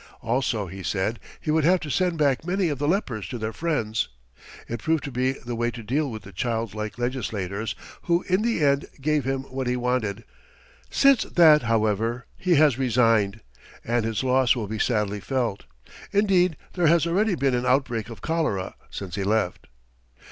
Also, he said, he would have to send back many of the lepers to their friends. It proved to be the way to deal with the child like legislators, who in the end gave him what he wanted. Since that, however, he has resigned, and his loss will be sadly felt. Indeed, there has already been an outbreak of cholera since he left.